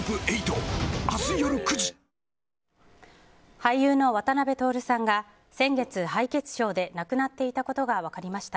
俳優の渡辺徹さんが先月、敗血症で亡くなっていたことが分かりました。